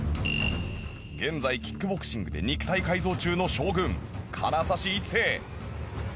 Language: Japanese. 現在キックボクシングで肉体改造中の将軍金指一世。